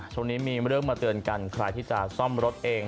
ช่วงนี้มีเรื่องมาเตือนกันใครที่จะซ่อมรถเอง